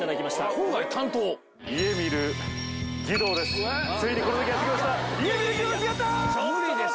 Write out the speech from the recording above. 家見る義堂です。